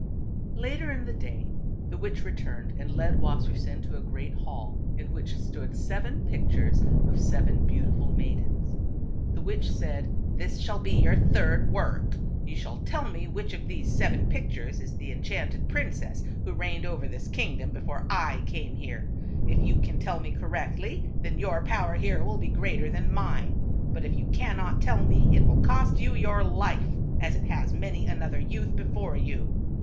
Later in the day the witch returned and led Wassersein to a great hall, in which stood seven pictures of seven beautiful maidens. The witch said, "This shall be your third work. You shall tell me which of these seven pictures is the en chanted princess who reigned over this kingdom 296 TWO BROTHERS. not do tka>t WltKovt kelp before I came here. ' If you can tell me cor rectly, then your power here will be greater than mine. But if you cannot tell me, it will cost you your life, as it has many another youth before you.